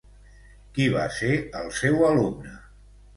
Qui va ser el seu alumne?